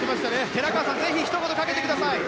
寺川さん、ぜひひと言かけてください。